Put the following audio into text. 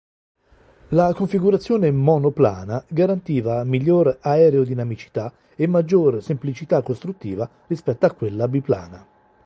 La configurazione monoplana garantiva miglior aerodinamicità e maggiore semplicità costruttiva rispetto a quella biplana.